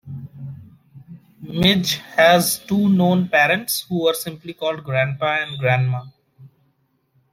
Midge has two known parents who are simply called "Grandpa" and "Grandma".